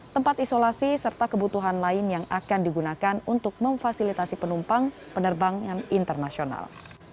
tempat isolasi serta kebutuhan lain yang akan digunakan untuk memfasilitasi penumpang penerbangan internasional